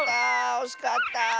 おしかった！